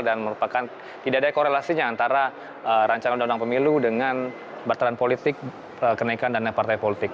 dan merupakan tidak ada korelasinya antara rancangan undang undang pemilu dengan barteran politik kenaikan dana partai politik